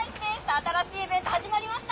新しいイベント始まりました。